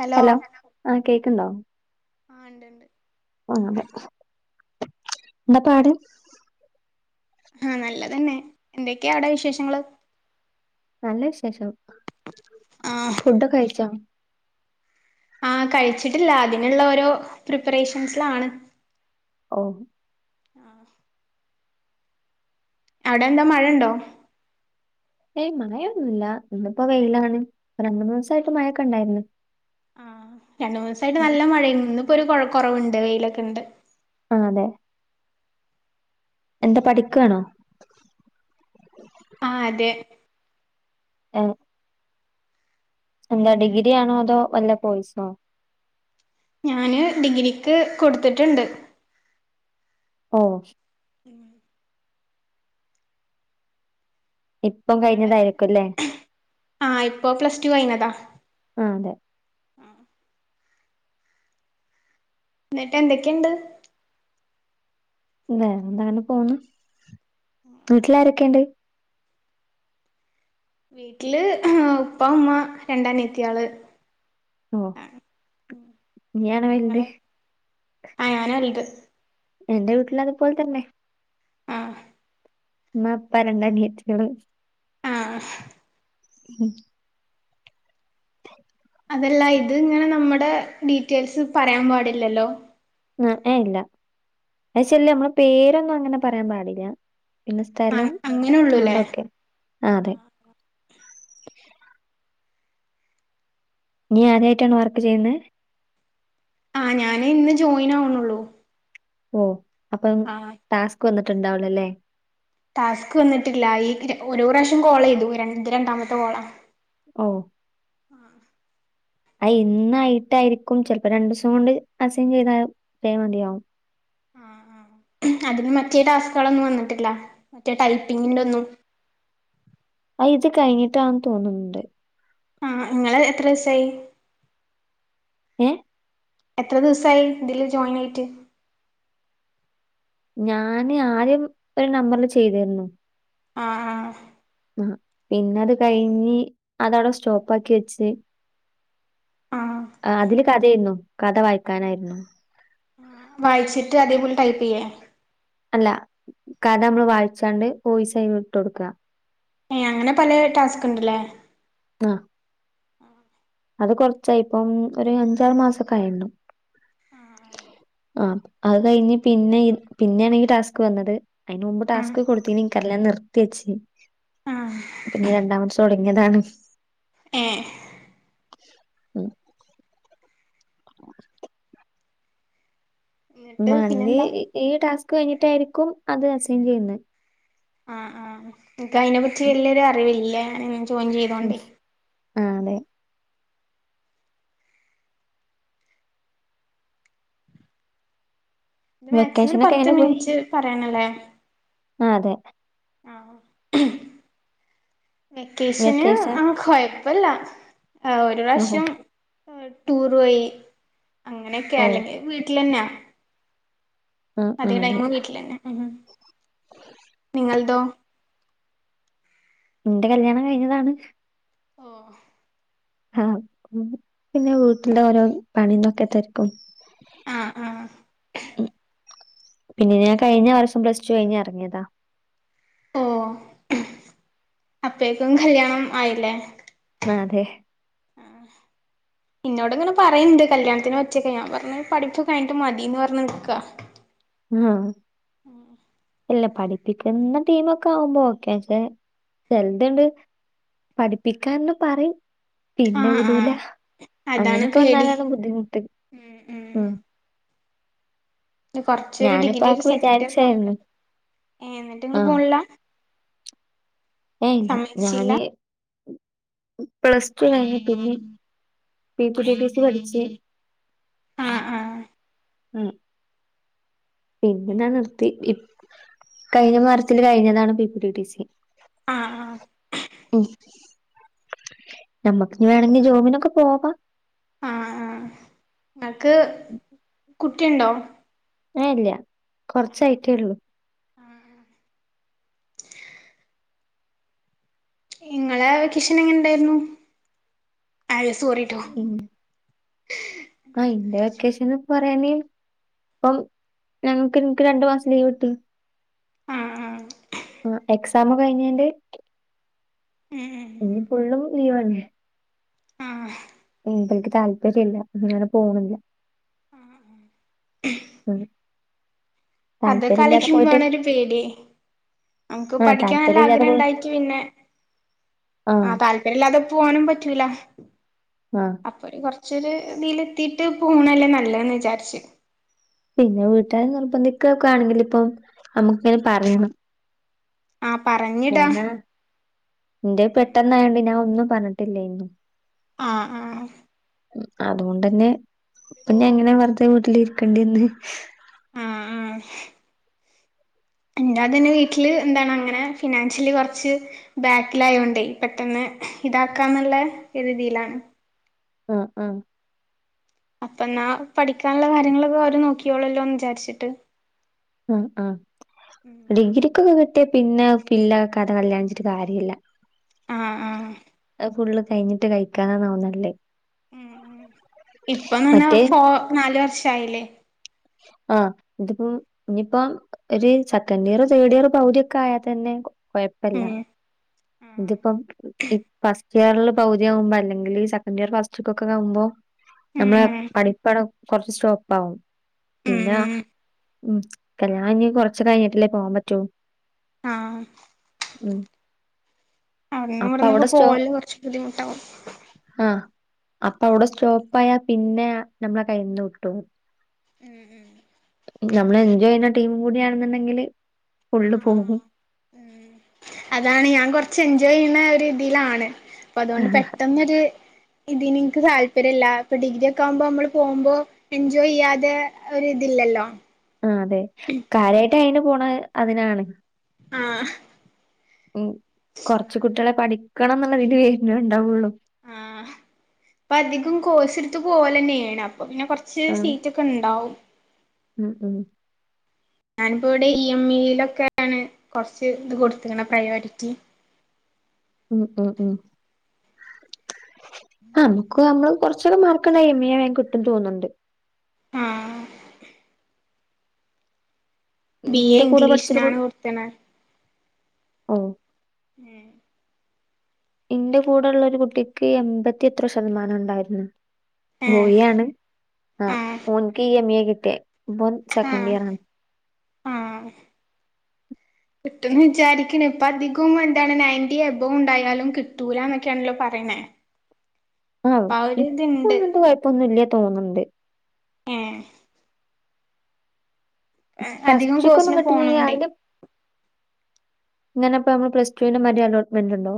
Hello hello ആ കേക്ക്ണ്ടോ ആ ണ്ട് ണ്ട് അങ്ങനെ ന്താ പാട് ആഹ നല്ലതന്നെ എന്തൊക്കെയ അവിടെ വിശേഷങ്ങള് നല്ല വിശേഷം ആഹ് ഫുഡോക്കെ കഴിച്ചോ ആ കഴിച്ചിട്ടില്ല അതിനുള്ള ഓരോ പ്രിപ്പറേഷൻസിലാണ് ഓ ആഹ അടെ എന്താ മഴ ഉണ്ടോ ഏയ് മഴയൊന്നുല്ല ഇന്നിപ്പോ വെയിലാണ് രണ്ട് മുന്നിസയിട്ട് മഴൊക്കെ ഉണ്ടായിരുന്നു രണ്ടു മുന്നിസയിട്ട് നല്ല മഴ ഇന്ന് പ്പോര് ഒരു കോയ കൊറവ്ണ്ട് വെയിലൊക്കെണ്ട് ആ അതെ എന്താ പഠിക്കണോ ആ അതെ എ എന്താ ഡിഗ്രി ആണോ അതോ വല്ല കോയ്സോ ഞാന് ഡിഗ്രിക്ക് കൊടുത്തിട്ട്ണ്ട് ഓ ഉം ഇപ്പം കഴിഞ്ഞതായിരിക്കുംല്ലേ ആ ഇപ്പോൾ പ്ലസ് ടു കഴിഞ്ഞ താ ആഹ് അതെ ന്നിട്ട് എന്തൊക്കെയുണ്ട് വേറെ എന്താ അങ്ങനെ പോണ് വീട്ടിലാരൊക്കെയുണ്ട് വീട്ടില് ഉപ്പ ഉമ്മ രണ്ട് അ നീയ ത്തിയാള് ഓ ആഹ് നീയാണ് വലുത് നിങ്ങളെ ആ ഞാന വലുത് എന്റെ വീട്ടിൽ അതുപോലെ തന്നെ ആഹ് മ്മ പ്പ രണ്ട് അനിയത്തിയാള് ആഹ് ഉം [inaudible] അതല്ല ഇത് ഇങ്ങനെ നമ്മടെ ഡീറ്റെയിൽസ് പറയാൻ പാടില്ലല്ലോ എ ഏഹ് ഇല്ല അയ്ച്ചാല് നമ്മള പേരൊന്നും അങ്ങനെ പറയാൻ പാടില്ല പിന്നെ സ്ഥലം ആഹ് അങ്ങനെള്ളൂല്ലേ അതൊക്കെ ആഹ് അതെ നീ ആദ്യായിട്ടാണ് വർക്ക് ചെയ്യുന്നേ ആഹ് ഞാന് ഇന്ന് ജോയിൻ ആവുന്നുള്ളൂ ഓഹ് അപ്പം ടാസ്ക് വന്നിട്ടുണ്ടാവുലാലെ ടാസ്ക് വന്നിട്ടില്ല ഈ ഗ്രു ഒരു പ്രാവശ്യം കോളിതു ഇത്‌ രണ്ടാമത്തെ കോളാ ഓഹ് അത് ഇന്നായിട്ടായിരിക്കും ചെലപ്പോ രണ്ടുസം കൊണ്ട് അസൈൻ ചെയ്ത വേറെഡിയാകും അതിന് മറ്റേ ടാസ്കുകളൊന്നും വന്നിട്ടില്ല മറ്റേ ടൈപ്പിങ്ങിന്റെ ഒന്നും അത് ഇത് കഴിഞ്ഞിട്ടാന്ന് തോന്നുന്നുണ്ട് ആഹ് ഇങ്ങള് എത്ര ഈസായി ഏഹ് എത്ര ദിവസമായി ഇതില് ജോയിൻ ആയിട്ട് ഞാന് ആദ്യം ഒരു നമ്പറില് ചെയ്തീർന്നു ആഹ് ആഹ് ആഹ് പിന്നത് കഴിഞ്ഞ് അതവടെ സ്റ്റോപ്പ് ആക്കി വെച്ച് ആഹ് അതില് കഥെരുന്നു കഥ വായിക്കാനായിരുന്നു വായിച്ചിട്ട് അതേപോലെ ടൈപ്പീയ്യേ അല്ല കഥ നമ്മള് വായിച്ചാണ്ട് ഓയിസായി വിട്ടൊട്ക്കാ ഏഹ് അങ്ങനെ പലേ ടാസ്ക്ണ്ട്ലേ ആഹ് ആഹ് അത് കൊറച്ചായിപ്പം ഒരു അഞ്ചാറ് മാസൊക്കെ ആയിണ്ടാവും ആഹ് അത് കഴിഞ്ഞ് പിന്നെ പിന്നേണ് ഈ ടാസ്ക് വന്നത് അതിന് മുമ്പ് ആഹ് ടാസ്ക് കൊടുത്തിനോ ഇന്ക്ക് അറീല ഞാൻ നിർത്തി വച്ച് ആഹ് പിന്നെ രണ്ടാമത്ത് തൊടങ്ങിയതാണിത് ഏഹ് ഉം എന്നിട്ട് വാണെങ്കി പിന്നെന്താ ഈ ടാസ്ക് കയിഞ്ഞിട്ടായിരിക്കും അത് അസൈൻ ചെയ്യുന്നേ ആഹ് ആഹ് ക്കഅയിനെപ്പറ്റി വല്ല്യെരു അറിവില്ല ജോയിൻ ഉം ചെയ്തോണ്ടേയ് ആഹ് അതെ ഇത് മാക്സിമം ഒരു വെക്കേഷനൊക്കെ പത്ത് എങ്ങനെ പോയി മിനിറ്റ് പറയാനല്ലേ ആഹ് അതെ ആഹ് വെക്കേഷന് വെക്കേഷൻ ആഹ് കൊയപ്പല്ല ആഹ് ഒരു ഓഹോ പ്രാവശ്യം ടൂർ പോയി അങ്ങനെക്കെ ഓഹ് അല്ലെങ്കിൽ വീട്ടിലന്നെ ആഹ് അതിക ആഹ് അതെ ടൈമും വീട്ടിലന്നെ നിങ്ങളതോ ഇന്റെ കല്യാണം കഴിഞ്ഞതാണ് ഓഹ് ആഹ് പിന്നെ വീട്ടിന്റെ ഓരോ പണിതൊക്കെ തെരക്കും ആഹ് ആഹ് പിന്നെ ഞാൻ കഴിഞ്ഞ വർഷം പ്ലസ്റ്റു കഴിഞ് എറങ്ങിയതാ ഓഹ് അപ്പേക്കും കല്യാണം ആയില്ലേ ആഹ് അതെ [inaudible] ഇന്നോട്ങ്ങനെ പറയ്ണ്ട് കല്യാത്തിനെ പറ്റിയൊക്കെ ഞാൻ പറഞ്ഞ് പഠിപ്പ് കഴിഞ്ഞിട്ട് മതീന്ന് പറഞ് നിക്കാ ആഹ് ഉ ഇല്ല പഠിപ്പിക്കുന്ന ടീമ് ഒക്കെ ആവുമ്പോ ഓക്കെ പക്ഷെ ചെലത്ണ് പഠിപ്പിക്കാന്ന് പറയും പിന്നെ ആഹ് വിടൂല. ആഹ് അതാണ് അങ്ങനെയൊക്കെ പേടി വന്നാലാണ് ബുദ്ധിമുട്ട് ഉം ഉം ഇത് കുറച്ച ഒരു ഞാനിപ്പോ ഡിഗ്രി ഒരു ആക്ക് സെക്കൻഡ് ഇയർ വിചാരിച്ചായിരുന്നു കംപ്ലീട്ട് ഏ എന്നിട്ട് ഇങ്ങള് പോണില്ല? ഏയ് ഇല്ല സമ്മതിച്ചില്ല ഞാന്. പ്ലസ് ടു കഴിഞ്ഞി ക്കേനി ആ പി പിടി ടി സി പഠിച്ച്. ആഹ് ആഹ് ഉം പിന്നെ ഞാൻ നിർത്തി ഇ കഴിഞ്ഞ മാർച്ചിൽ കഴിഞ്ഞതാണ് P P D D C. ആഹ് ആഹ് ഉം ഞമ്മക്ക് വേണെങ്കിൽ ജോബിനൊക്കെ പോവാ. ആഹ് ആഹ് ഇങ്ങക്ക് കുട്ടിയുണ്ടോ? ഏഹ് ഇല്ല കുറച്ചായിട്ടേ ഒള്ളൂ. ഇങ്ങളെ വെക്കേഷൻ എങ്ങനെയുണ്ടായിരുന്നു അയ് സോറി. ഉം ആ ഇന്റെ വെക്കേഷൻ ഇപ്പ പറയാന് അപ്പം ഞങ്ങക്ക് എനിക്ക് രണ്ടു മാസം ലീവ് കിട്ടി. ആഹ് ആഹ് ആഹ് എക്സാം കഴിഞ്ഞിന്റെ. ഇനീ ഫുള്ളും ലീവന്നെ ആ അപ്പം എനിക്ക് താല്പര്യല്ല അങ്ങനെ പോണില്ല. മ് അത് ഒക്കെ ആലോചിച്ചുമ്പളാണൊരു പേടി. നമക്ക് ആഹ് പഠിക്കാൻ നല്ല താല്പര്യം ഇല്ലാതെ ആഗ്രഹം പോയി ഉണ്ടായിട്ട് പിന്നെ. ആ ആഹ് താല്പര്യം ഇല്ലാതെ പോവാനും പറ്റുല. ആഹ് കൊറചൊരു ഇതിൽ എത്തിട്ട് പോണതല്ലേ നല്ലത്ന്ന് വിചാരിച്ചു. പിന്നെ വീട്ടുകാര് നിർബന്ധിക്ക ഒക്കെ ആണെങ്കിൽ ഇപ്പം നമ്മുക്ക് ഇങ്ങനെ പറയണം. ആഹ് പറഞ് ഞാനാ ഇന്റെ പെട്ടെന്നായോണ്ട് ഞാൻ ഒന്നും പറഞ്ഞിട്ടിലേനി. ആഹ് ആഹ് അതുകൊണ്ടന്നെ പിന്നെ ഇങ്ങനെ വെറുതെ വീട്ടിൽ ഇരിക്കണ്ടി വന്ന് ആഹ് ആഹ് എന്റാതന്നെ വീട്ടില് എന്താണ് അങ്ങനെ ഫിനാൻഷ്യലി കൊർച്ച് ബാക്കിലായൊണ്ടേ പെട്ടെന്ന് ഇതാക്കാന്നുള്ള ഒരീതീയിലാണ്. ആഹ് ആഹ് അപ്പന്നാ പഠിക്കാനുള്ള കാര്യങ്ങളൊക്കെ ഓര് നോക്കിയോളെല്ലോന്ന് വിചാരിച്ചിട്ട്. ഉം ആഹ് ഡിഗ്രിക്കൊക്കെ കിട്ടിയ പിന്നെ അത് ഫില്ലാകാതെ കല്യാണിച്ചിട്ട് കാര്യല്ല. ആഹ് ആഹ് അത് ഫുള്ള് കഴിഞ്ഞിട്ട് കഴിക്കാന്നന്നാവുന്നല്ലേ. ഉം ഉം ഇപ്പം തന്നെ മറ്റേ ഫോ നാലു വർഷായില്ലേ? ആഹ് ഇതിപ്പം ഇനിയിപ്പം. ഒരു സെക്കൻഡ് ഇയറ് തേർഡ് ഇയറ് പൗധിയൊക്കെ ആയാൽ തന്നെ കൊഴപ്പല്ല. ഉം ഇതിപ്പം ഈ ഫസ്റ്റ് ഇയറിൽ പൗതി ആവുമ്പോ അല്ലെങ്കിൽ സെക്കൻഡ് ഇയർ ഫസ്റ്റ് കൊക്കെ ആവുമ്പോ. ഉം നമ്മളെ ഉം പഠിപ്പവിടെ കൊറച്ച് സ്റ്റോപ്പ് ആവും ഉം പിന്ന ഉം ഉം കല്യാണം കഴിഞ് കൊറച്ച് കഴിഞ്ഞിട്ടല്ലേ പോവാൻ പറ്റൂ? ആഹ് ഉം അവ്ട്ന്നും അപ്പൊ ഇവ്ടുന്നൊക്കെ അവിടെ സ്റ്റോ പോവൽ കുറച്ച് ബുദ്ധിമുട്ടാവും ആഹ് അപ്പ അവിടെ സ്റ്റോപ്പായാ പിന്നെ നമ്മളെ കയിന്ന് വിട്ടോവും ഉം ഉം നമ്മൾ എൻജോയ് ചെയ്യുന്ന ടീമും കൂടിയാണെന്നുണ്ടെങ്കില് ഫുള്ള് പോകും ഉം അതാണ് ഞാൻ കൊറച്ച് എൻജോയ് ചെയ്യുന്ന ഒരു ഇതിയിലാണ് അപ്പൊ അതുകൊണ്ട് ആഹ് പെട്ടെന്നൊരു ഇതിന് ഇൻക്ക് താല്പര്യം ഇല്ല അപ്പൊ ഡിഗ്രി ഒക്കെ ആകുമ്പോ നമ്മള് പോകുമ്പോ എൻജോയ് ചെയ്യാതെ ഒര് ഇതില്ലല്ലോ ആഹ് അതെ കാര്യാട്ട് അയിന് പോണെ അതിനാണ് ആഹ് ഉം കൊർച്ച് കുട്ട്യാളെ പഠിക്കണംന്നുള്ളതിന് വെര്ണേ ഉണ്ടാവുള്ളൂ ആഹ് അപ്പ അധികം കോസ് എടുത്ത് പോലെന്നെയാണം അപ്പ പിന്നെ കൊർച്ച് ആഹ് സീറ്റൊക്കെ ഇണ്ടാവും ഉം ഉം ഞാനിപ്പോൾ ഇവിടെ ഇ എം ഇയിലൊക്കെയാണ് കൊർച്ച് ഇത് കൊട്ത്ത്ക്ക്ണെ പ്രയോരിറ്റി ഉം ഉം ഉം അംക്ക് അംളു കൊറച്ചൊക്കെ മാർക്കടെ ഐ എം എ ആയി കിട്ടുന്നു തോന്നുണ്ട് ആഹ് ബി എ എന്റെ കൂടെ പഠിച്ചൊരു കു ഇംഗ്ലീഷിനാണ് കൊടുത്തണ ഓ ഉം ഇന്റെ കൂടെ ഉള്ള ഒരു കുട്ടിക്ക് എൺമ്പത്തി എത്രോ ശതമാനം ഉണ്ടായിരുന്നു ഏഹ് ബോയിയാണ് ആഹ് ഓൻക്ക് ഈ എ മ്മിയ കിട്ടിയെ ഇപ്പൊ സെക്കൻഡ് ആഹ് ഇയർ ആണ് ആഹ് [unintelligible] കിട്ടുംന്ന് വിചാരിക്ക്ണ് ഇപ്പ അധികം എന്താണ് നയൻ്റി എബൗ ഉണ്ടായാലും കിട്ടൂലന്നൊക്കെയാണല്ലോ പറയ്ണേ ആഹ് ഇപ്പൊന്നു അങ്ങൻത്തെ കൊഴപ്പൊന്നുല്ല തോന്ന്ണ്ട് ഏഹ് അധികം പസ്ച്ക്കൊന്നും കോഴ്സിന് കിട്ടുന്ന പോണോണ്ടേ അയ്ന്റെ ഇങ്ങനെപ്പ നമ്മള് പ്ലസ്ടുവിന്റെമാരി അലോ്മന്റ് ഉണ്ടോ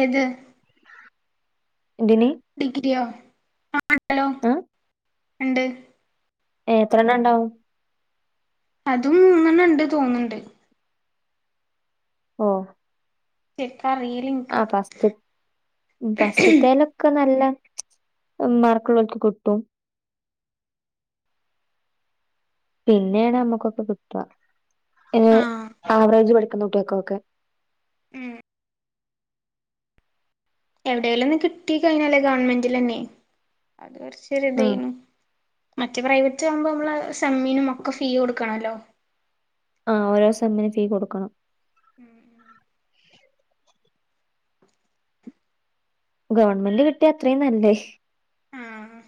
ഏത് ഇതിന് ഡിഗ്രിയോ ആഹ് ണ്ടല്ലോ ആഹ് ഉണ്ട് ഏഹ് എത്ര എണ്ണം ഉണ്ടാവും അതും ഇങ്ങനെ ഉണ്ട് തോന്ന്ണ്ണ്ട് ഓഹ് [unintelligible] ആഹ് പസ്‌റ്റ് പസ്റ്റ്ത്തേല ക്ക നല്ല മാർക്ക്ള്ളോൽക്ക് കിട്ടും പിന്നെയാണ് നമ്മുക്കൊക്കെ കിട്ട ആ [unintelligible] ആവറേജ് പഠിക്കുന്ന കുട്ടിയാക്കൊക്കെ ഉം എവിടേലുംന്ന് കിട്ടി കഴിഞ്ഞാല്ലേ ഗവണ്മെൻ്റിലന്നെ അത് ആഹ് കൊർച്ചൊരുതെയ്നു. മറ്റ പ്രൈവറ്റ് ആവുമ്പോ നമ്മള് സെമ്മീനും ഒക്കെ ഫീ കൊടുക്കണല്ലോ ആഹ് ഓരോ സെമ്മ്ന് ഫീ കൊടുക്കണം ഉം ഗവൺമെന്റ് കിട്ടിയ അത്രേയും നല്ലേ ആഹ്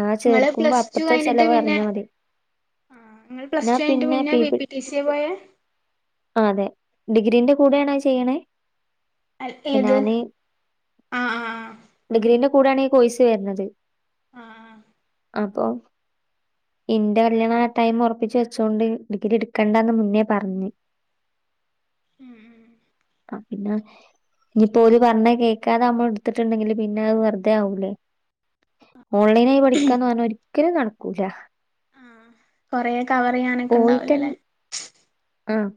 ആ ഇങ്ങള് ചേർക്കുമ്പോ പ്ലസ് ടു അപ്പത്തെ കഴിഞ്ഞിട്ട് ചെലവ് പിന്നെ അറിഞ്ഞാ മതി നിങ്ങള് പ്ലസ ടു കഴിഞ്ഞിട്ട് പിന്നെ ബി പി ടി സിയെ പോയ ആഹ് അതെ ഡിഗ്രീന്റെ കൂടെ ആണേ ചെയ്യ്ണേ പ്പ ഏത് ഞാന് ആ ആ ഡിഗ്രീന്റെ കൂടേണ് ഈ കോഴ്സ് വരുന്നത് ആഹ് അപ്പം ഇന്റെ കല്യാണം ആ ടൈമ് ഒർപ്പിച്ച് വെച്ചോണ്ട് ഡിഗ്രി എടുക്കണ്ടാന്ന് മുന്നേ പറഞ്ഞ് [unintelligible] ഉം അപിന്നാണേ ഇനിപ്പോര് പർഞ്ഞ കേക്കാതെ നമ്മളടുത്തിട്ടുണ്ടെങ്കില് പിന്നെ അത് വെർതെ ആവൂലേ ഓൺലൈനായി പഠിക്കാന്ന് പർഞ്ഞാ ഒരിക്കലും നടക്കൂല ആഹ് കൊറേ കവറെയ്യാനക്കെ പോയിട്ടെൻ ണ്ടാവൂലല്ലേ ആഹ്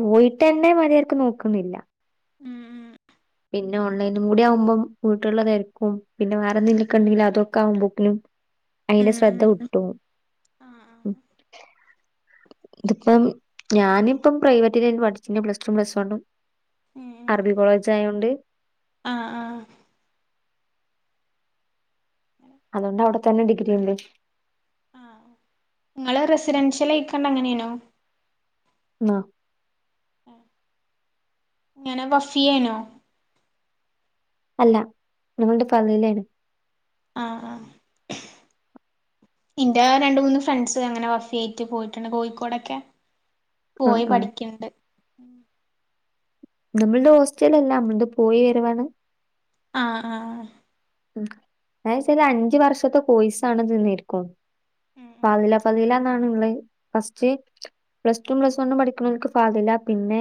പോയിട്ടന്നെ മരിയാതിക്ക് നോക്കുന്നില്ല [unintelligible] പിന്നോൺലൈനും കൂടി ആവുമ്പം വീട്ടിൽള്ള തെരക്കും പിന്നെ വേറെന്തെങ്കിൽക്കണ്ടെങ്കിൽ അതൊക്കെയാകുമ്പോക്കിനും അയിന്റ ശ്രദ്ധ വിട്ടോവും ആഹ് ആഹ് ഉം ഇതിപ്പം ഞാനിപ്പം പ്രൈവറ്റിലേ നി പഠ്ച്ചിനെ പ്ലസ് ടും പ്ലസ് വണ്ണും അറബിക്കോളേജായോണ്ട് ആഹ് ആഹ് [inaudible] അതോണ്ട് അവ്ട്ത്തന്നെ ഡിഗ്രി ഇല്ലേ ഇങ്ങള് റെസിഡൻഷ്യലയ്ക്കാണ്ട് അങ്ങനേനോ ന്ന ഏഹ് ഇങ്ങനെ വഫിയേനോ അല്ല ഞങ്ങളുടെ ഫാമിലി ആണ് ആഹ് ആഹ് ഇൻ്റെ രണ്ട് മൂന്ന് ഫ്രണ്ട്സ് അങ്ങനെ വഫിയായിറ്റ് പോയിട്ടുണ്ട് കോയിക്കോടൊക്കെ ആഹ് പോയി ആഹ് പഠിക്ക്‌ണ്ട് നമ്മൾടെ ഹോസ്റ്റലല്ല അമ്മൾത് പോയി വരവാണ് ആഹ് ആഹ് ഉം അയ് ശെരി അഞ്ചു വർഷത്തെ കോയിസാണ്ത് ന്നിരിക്കും ഉം ഫാളീല ഫളീല എന്നാണ്ള്ളെ ഫസ്റ്റ് പ്ലസ് റ്റും ഉം പ്ലസ് വണ്ണും പഠിക്കുന്നോര്ക്ക് ഫാളില പിന്നെ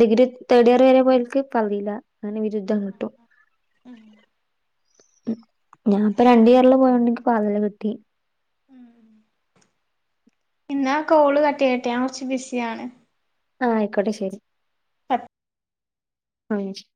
ഡിഗ്രി തേഡിയർ വരെ പോയോർക്ക് ഫളീല അങ്ങനെ ബിരുദ്ധം കിട്ടും ഉം ഉം ഞാപ്പ രണ്ടിയറില് പോയോണ്ടിക്ക് ഫാളില കിട്ടി ഊ ഇന്നാ കോള് കട്ടയട്ടെ ഞാൻ കൊറച്ച് ബിസിയാണ് ആഹ് ആയിക്കോട്ടെ ശെരി [unintelligible] [unintelligible]